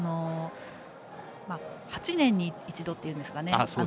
８年に一度というんですかね。